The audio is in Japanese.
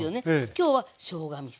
今日はしょうがみそ。